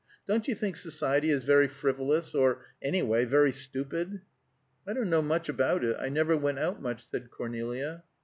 Don't you think society is very frivolous, or, any way, very stupid?" "I don't know much about it. I never went out, much," said Cornelia.